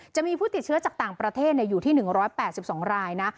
จะมีผู้ติดเชื้อจากต่างประเทศอยู่ที่๑๘๒รายนะ